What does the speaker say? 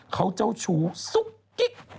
เขาเจ้าชู้ซุกกิ๊ก